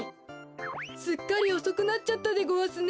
すっかりおそくなっちゃったでごわすね。